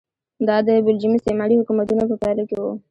دا د بلجیم استعماري حکومتونو په پایله کې و.